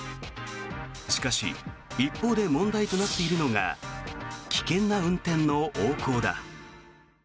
しかし一方で問題となっているのが危険な運転の横行だ。